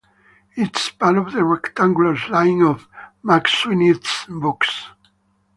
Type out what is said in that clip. It is part of the Rectangulars line of McSweeney's Books.